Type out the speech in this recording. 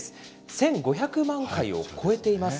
１５００万回を超えています。